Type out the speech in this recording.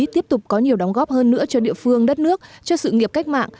tiếp tục có nhiều đóng góp hơn nữa cho địa phương đất nước cho sự nghiệp cách mạng